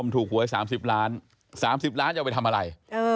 ถูกหวย๓๐ล้าน๓๐ล้านจะเอาไปทำอะไร